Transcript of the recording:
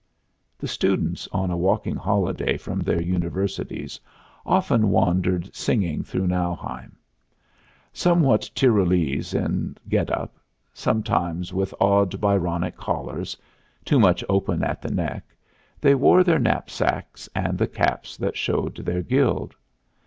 The students on a walking holiday from their universities often wandered singing through Nauheim. Somewhat Tyrolese in get up, sometimes with odd, Byronic collars, too much open at the neck, they wore their knapsacks and the caps that showed their guild.